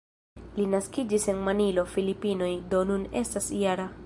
Li naskiĝis en Manilo, Filipinoj, do nun estas -jara.